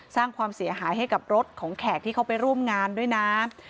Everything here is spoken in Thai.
สร้างความเสียหายให้กับรถของแขกที่เขาไปร่วมงานด้วยนะ